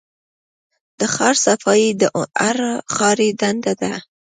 د ښار صفايي د هر ښاري دنده ده.